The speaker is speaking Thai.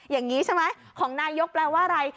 อย่างนี้ใช่ไหมของนายกแปลว่าอะไร